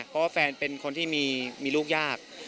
เพราะว่าแฟนเป็นคนที่มีลูกยาก